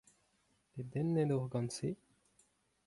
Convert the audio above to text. Dedennet oc'h gant se ?